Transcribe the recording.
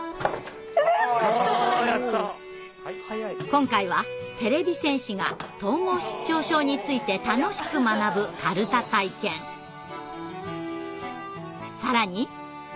今回はてれび戦士が統合失調症について楽しく学ぶ更に。